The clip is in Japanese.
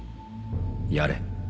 やれ。